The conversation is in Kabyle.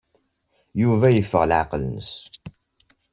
Yuba yeffeɣ i leɛqel-nnes.